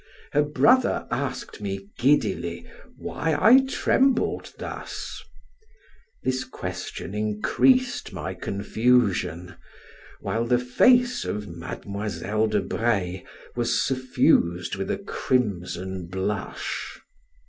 Her brother asked me, giddily, why I trembled thus? This question increased my confusion, while the face of Mademoiselle de Breil was suffused with a crimson blush.